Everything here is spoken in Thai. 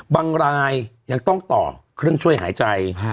บางรายยังต้องต่อเครื่องช่วยหายใจ